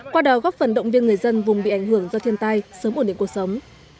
qua đó góp phần động viên người dân vùng bị ảnh hưởng do thiên tai sớm ổn định cuộc sống